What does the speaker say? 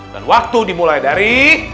dan waktu dimulai dari